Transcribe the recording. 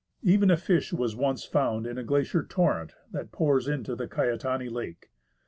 Even a fish was once found in a glacier torrent that pours into the Caetani Lake.